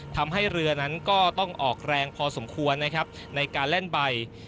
ทำให้เรือนั้นก็ต้องออกแรงพอสมควรนะครับในการเล่นใบ